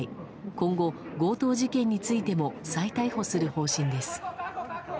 今後、強盗事件についても再逮捕する方針です。